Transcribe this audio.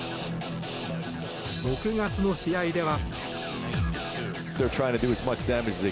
６月の試合では。